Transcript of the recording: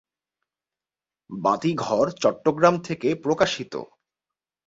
বাতিঘর চট্টগ্রাম থেকে প্রকাশিত।